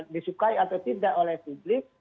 disukai atau tidak oleh publik